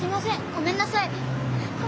ごめんなさい。